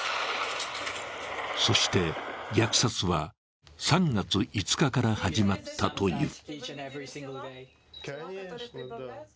そして虐殺は３月５日から始まったという。